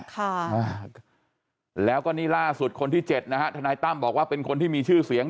ค่ะอ่าแล้วก็นี่ล่าสุดคนที่เจ็ดนะฮะทนายตั้มบอกว่าเป็นคนที่มีชื่อเสียง